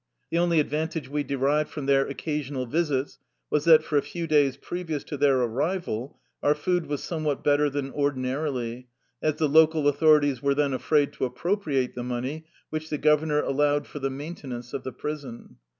The only advantage we derived from their occasional visits was that for a few days previous to their arrival our food was somewhat better than ordinarily, as the local authorities were then afraid to appropriate the money which the government allowed for the maintenance of the prison.